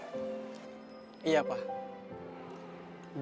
terakhir kita berjalan